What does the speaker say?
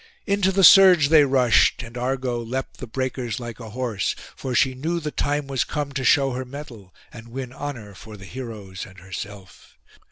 Into the surge they rushed, and Argo leapt the breakers like a horse; for she knew the time was come to show her mettle, and win honour for the heroes and herself.